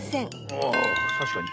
ああたしかに。